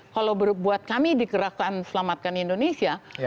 kalau buat kami dikerahkan selamatkan indonesia